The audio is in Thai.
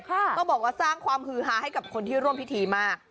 ก็บอกว่าสร้างความฮือฮาให้กับคนที่ร่วมพิธีมาก